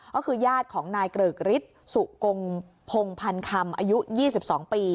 ก็คือญาติของนายเกริกฤทธิ์สุกงพงพันคำอายุ๒๒ปี